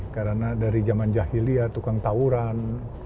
karena dari zaman jahiliah tukang tawuran